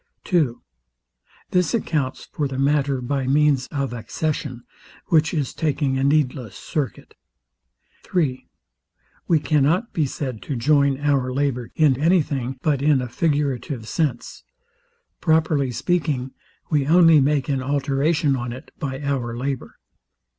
2. This accounts for the matter by means of accession; which is taking a needless circuit. 3. We cannot be said to join our labour to any thing but in a figurative sense. Properly speaking, we only make an alteration on it by our labour.